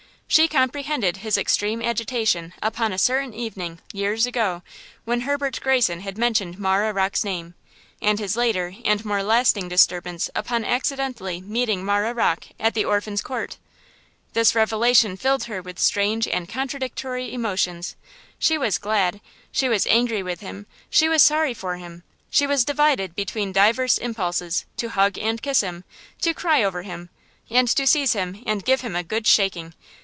She comprehended his extreme agitation upon a certain evening, years ago, when Herbert Greyson had mentioned Marah Rocke's name, and his later and more lasting disturbance upon accidentally meeting Marah Rocke at the Orphans' Court. This revelation filled her with strange and contradictory emotions. She was glad; she was angry with him; she was sorry for him; she was divided between divers impulses to hug and kiss him, to cry over him, and to seize him and give him a good shaking!